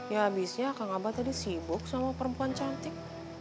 ya abisnya kang abah tadi sibuk sama perempuan cantik